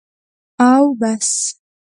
او بس.